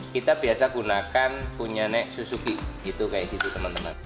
kita biasa gunakan punya nek suzuki gitu kayak gitu teman teman